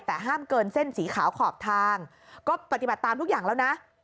แต่ห้ามเกินเส้นสีขาวขอบทางก็ปฏิบัติตามทุกอย่างแล้วนะ